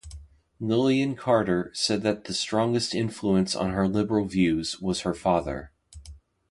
Lillian Carter said that the strongest influence on her liberal views was her father.